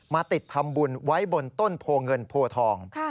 ติดทำบุญไว้บนต้นโพเงินโพทอง